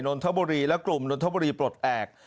นนทบุรีและกลุ่มนนทบุรีปลดแอบ